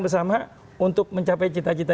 bersama untuk mencapai cita cita